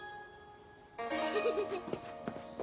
フフフフ。